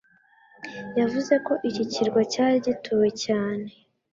yavuze ko iki kirwa cyari gituwe cyane